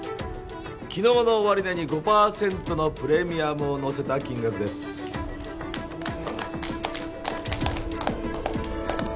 昨日の終値に５％のプレミアムをのせた金額ですおおっ！